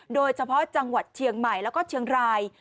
โดยเฉพาะจังหวัดเชียงใหม่แล้วก็เชียงราย